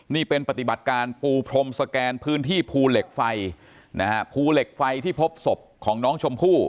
นี่เป็นปฏิบัติการปูพรมสแกนพื้นที่ภูเหล็กไฟนะฮะภูเหล็กไฟที่พบศพของน้องชมพู่